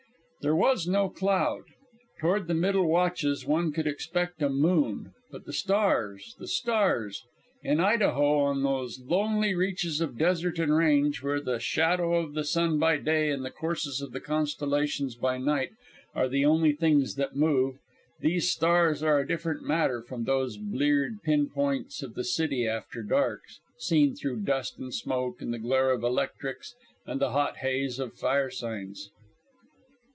There was no cloud. Toward the middle watches one could expect a moon. But the stars, the stars! In Idaho, on those lonely reaches of desert and range, where the shadow of the sun by day and the courses of the constellations by night are the only things that move, these stars are a different matter from those bleared pin points of the city after dark, seen through dust and smoke and the glare of electrics and the hot haze of fire signs.